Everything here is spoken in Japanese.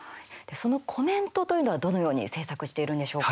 そのコメントというのはどのように制作しているんでしょうか。